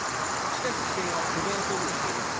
しかし、地検は不明というふうにしています。